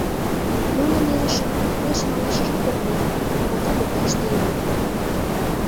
Нунын илышым илыш манашыжат ок лий, ората коклаште илат.